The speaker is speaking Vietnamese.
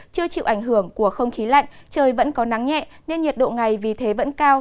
chưa chịu ảnh hưởng của không khí lạnh trời vẫn có nắng nhẹ nên nhiệt độ ngày vì thế vẫn cao